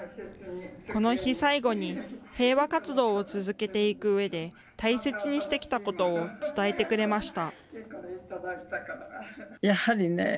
この日最後に、平和活動を続けていくうえで大切にしてきたことを伝えてくれました。